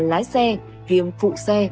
lái xe kiêm phụ xe